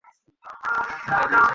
আর আমি শুধু ভালোবাসাতে।